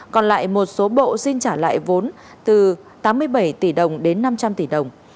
còn lại một số bộ xin trả lại vốn từ tám mươi bảy tỷ đồng đến năm trăm linh tỷ đồng